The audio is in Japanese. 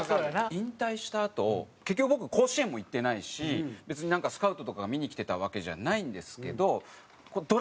引退したあと結局僕甲子園も行ってないし別になんかスカウトとかが見に来てたわけじゃないんですけど。